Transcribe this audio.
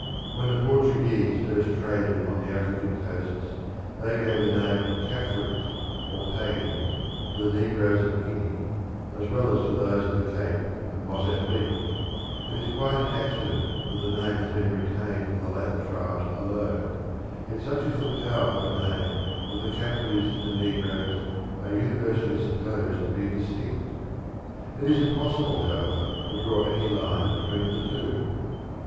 When the Portuguese first traded on the African coasts they gave the name Caffres (or pagans) to the negroes of Guinea, as well as to those of the Cape and Mozambique. It is quite an accident that the name has been retained for the latter tribes alone, yet such is the power of a name that the Caffres and negroes are universally supposed to be distinct. It is impossible, however, to draw any line between the two.